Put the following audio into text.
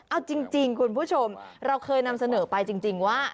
เอาจริงคุณผู้ชมเราเคยนำเสนอไปจริงว่า